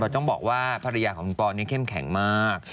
ต้องบอกว่าภรรยาของคุณปอนนี่เข้มแข็งมาก